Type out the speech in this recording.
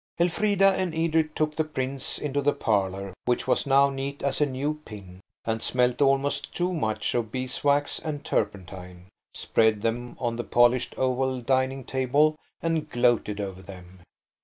Elfrida and Edred took the prints into the parlour, which was now neat as a new pin, and smelt almost too much of beeswax and turpentine, spread them on the polished oval dining table and gloated over them.